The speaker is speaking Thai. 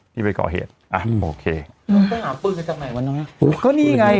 ที่ไปก่อเหตุอ่ะโอเคแล้วต้องหาปืนไปจากไหนวะน้อยอุ้ยก็นี่ไง